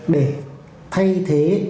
để thay thế